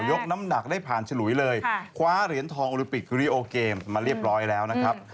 ยกน้ำหนักได้ผ่านฉลุยเลยคว้าเหรียญทองโอลิปิกรีโอเกมมาเรียบร้อยแล้วนะครับ